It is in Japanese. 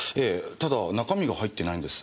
ただ中身が入ってないんです。